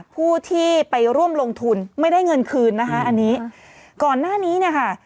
ผู้ที่ไปร่วมลงทุนไม่ได้เงินคืนนะคะอันนี้ก่อนหน้านี้เนี่ยค่ะ